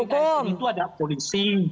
di bawah asn itu ada polisi